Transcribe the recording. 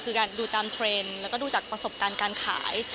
คือการดูตามเทรนด์แล้วก็ดูจากประสบการณ์การขาย